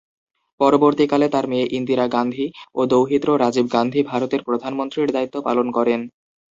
পরবর্তীকালে তার মেয়ে ইন্দিরা গান্ধী ও দৌহিত্র রাজীব গান্ধী ভারতের প্রধানমন্ত্রীর দায়িত্ব পালন করেন।